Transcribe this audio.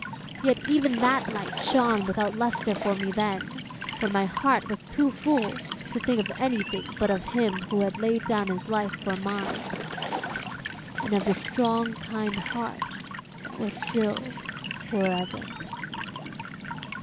Yet even that light shone without lustre for me then, for my heart was too full to think of anything but of him who had laid down his life for mine, and of the strong kind heart that was stilled for ever.